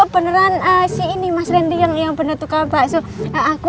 beneran si ini mas randy yang bener tukang mbak